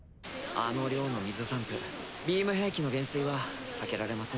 あの量の水散布ビーム兵器の減衰は避けられませんね。